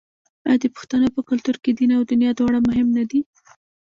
آیا د پښتنو په کلتور کې دین او دنیا دواړه مهم نه دي؟